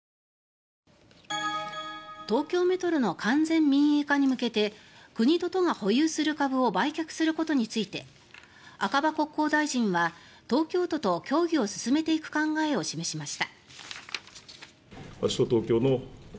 東京メトロの完全民営化に向けて国と都が保有する株を売却することについて赤羽国交大臣は東京都と協議を進めていく考えを示しました。